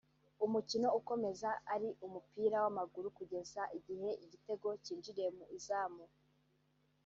umukino ukomeza ari umupira w’amaguru kugeza igihe igitego kinjiriye mu izamu